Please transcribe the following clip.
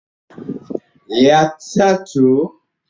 Nilitambua kuwa nilipaswa kwenda.